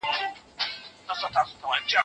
په دغي برخي کي يوازي يوه هیله ده.